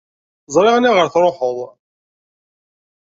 Ẓriɣ aniɣer i truḥeḍ.